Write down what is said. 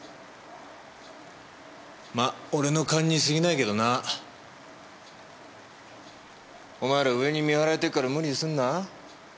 まあ俺の勘に過ぎないけどな。お前ら上に見張られてるから無理すんな。